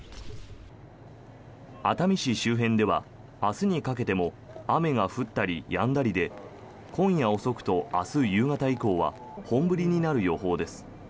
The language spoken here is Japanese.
熱海市周辺では明日にかけても雨が降ったりやんだりで今夜遅くと明日夕方以降は本降りになる予報です。